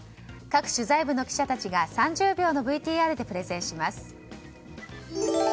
各取材部の記者たちが３０秒のＶＴＲでプレゼンします。